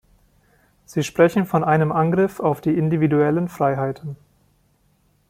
Sie sprechen von einem Angriff auf die individuellen Freiheiten.